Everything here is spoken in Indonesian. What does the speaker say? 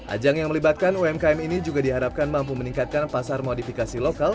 ajang yang melibatkan umkm ini juga diharapkan mampu meningkatkan pasar modifikasi lokal